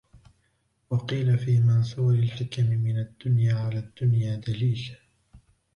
وَقِيلَ فِي مَنْثُورِ الْحِكَمِ مِنْ الدُّنْيَا عَلَى الدُّنْيَا دَلِيلٌ